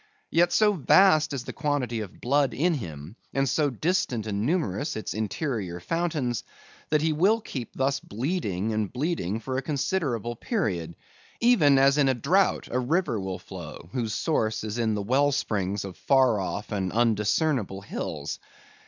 Yet so vast is the quantity of blood in him, and so distant and numerous its interior fountains, that he will keep thus bleeding and bleeding for a considerable period; even as in a drought a river will flow, whose source is in the well springs of far off and undiscernible hills.